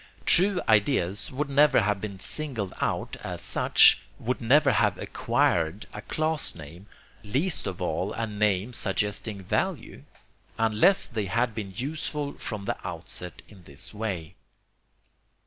True ideas would never have been singled out as such, would never have acquired a class name, least of all a name suggesting value, unless they had been useful from the outset in this way.